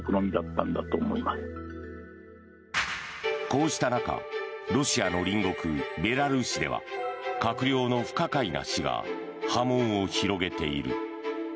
こうした中ロシアの隣国ベラルーシでは閣僚の不可解な死が波紋を広げている。